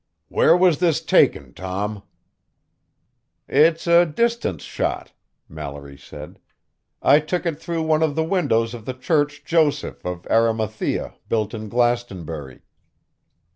"Where was this taken, Tom?" "It's a distance shot," Mallory said. "I took it through one of the windows of the church Joseph of Arimathea built in Glastonbury."